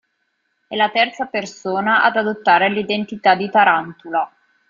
È la terza persona ad adottare l'identità di Tarantula.